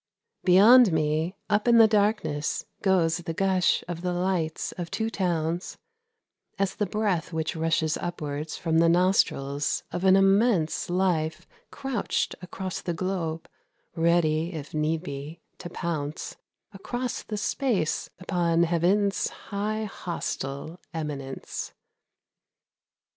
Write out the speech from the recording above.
Beyond me, up the darkness, goes the gush of the lights of two towns, As the breath which rushes upwards from the nostrils of an immense Life crouched across the globe, ready, if need be, to pounce Across the space upon heaven's high hostile eminence.